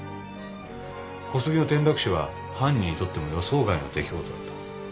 小杉の転落死は犯人にとっても予想外の出来事だった。